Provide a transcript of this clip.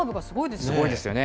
すごいですよね。